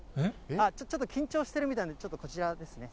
ちょっと緊張してるみたいなんで、ちょっとこちらですね。